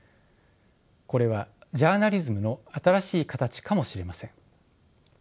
これはジャーナリズムの新しいかたちかもしれません。